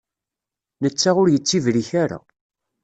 Netta ur yettibrik ara.